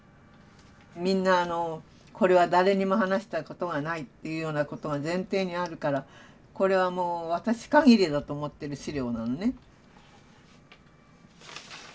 みんなこれは誰にも話したことがないというようなことが前提にあるからこれはもう私限りだと思ってる資料なのね。